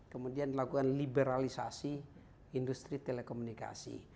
kemudian dilakukan liberalisasi industri telekomunikasi